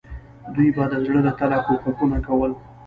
دوی به د زړه له تله کوښښونه کول.